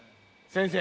先生！